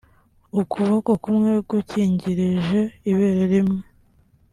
ukuboko kumwe gukingirije ibere rimwe